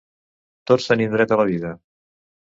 Tots tenim dret a la vida.